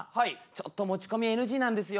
ちょっと持ち込みＮＧなんですよ。